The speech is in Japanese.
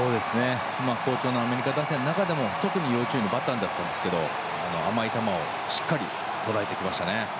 好調なアメリカ打線の中でも特に要注意のバッターだったんですけど甘い球をしっかり捉えてきましたね。